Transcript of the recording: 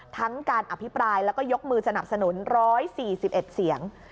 ทั้งการอภิปรายแล้วก็ยกมือสนับสนุน๑๔๑เสียง